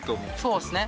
そうですね。